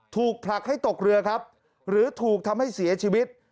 ถูกผลักให้ตกเรือครับหรือถูกทำให้เสียชีวิต